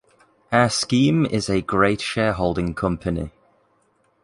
Our scheme is a great shareholding company.